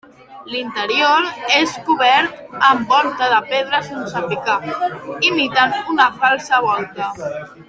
L'interior és cobert amb volta de pedra sense picar, imitant una falsa volta.